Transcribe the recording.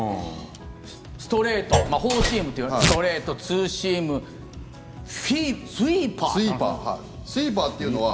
ストレート、フォーシームというストレート、ツーシームスイーパーってなんですか？